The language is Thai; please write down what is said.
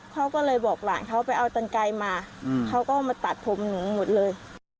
เขาก็เลยบอกหลานเขาไปเอาตันไกลมาเขาก็มาตัดผมหนูหมดเลย